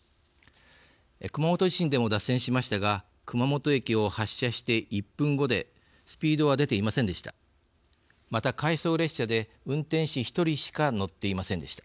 熊本地震でも脱線しましたが熊本駅を発車して１分後でスピードは出ていませんでした。